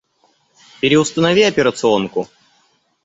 Переустанови операционку.